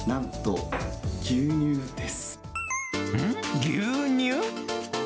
うん？牛乳？